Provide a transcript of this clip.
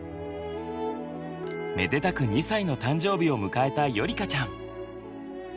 めでたく２歳の誕生日を迎えたよりかちゃん！